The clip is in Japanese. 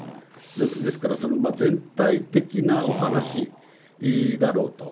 ですから、全体的なお話だろうと。